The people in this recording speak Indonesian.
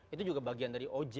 itu juga bagian dari ojk